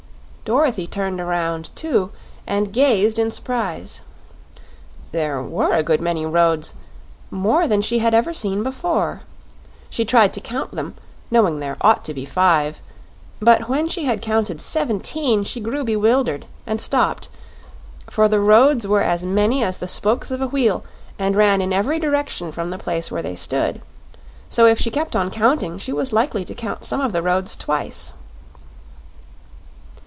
Dorothy turned around too, and gazed in surprise. There WERE a good many roads; more than she had ever seen before. She tried to count them, knowing there ought to be five, but when she had counted seventeen she grew bewildered and stopped, for the roads were as many as the spokes of a wheel and ran in every direction from the place where they stood; so if she kept on counting she was likely to count some of the roads twice.